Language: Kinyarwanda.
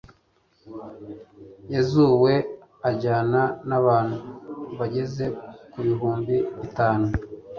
yozuwe ajyana n'abantu bageze ku bihumbi bitanu